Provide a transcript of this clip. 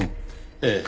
ええ。